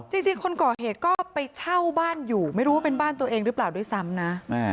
จริงคนก่อเหตุก็ไปเช่าบ้านอยู่ไม่รู้ว่าเป็นบ้านตัวเองหรือเปล่าด้วยซ้ำนะ